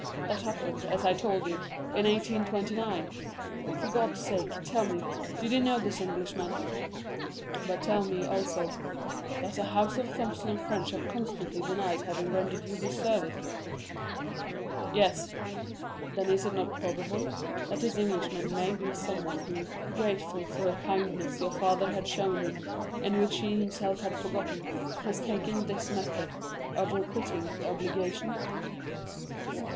That happened, as I told you, in 1829. For God's sake, tell me, did you know this Englishman?" "But you tell me, also, that the house of Thomson & French have constantly denied having rendered you this service?" "Yes." "Then is it not probable that this Englishman may be someone who, grateful for a kindness your father had shown him, and which he himself had forgotten, has taken this method of requiting the obligation?"